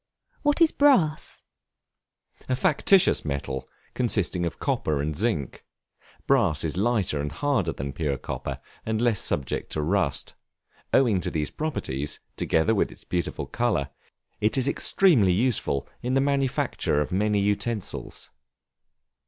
What is Brass? A factitious metal, consisting of copper and zinc. Brass is lighter and harder than pure copper, and less subject to rust; owing to these properties, together with its beautiful color, it is extremely useful in the manufacture of many utensils.